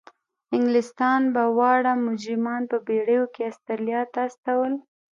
انګلستان به واړه مجرمان په بیړیو کې استرالیا ته استول.